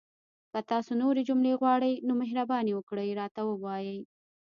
که تاسو نورې جملې غواړئ، نو مهرباني وکړئ راته ووایئ!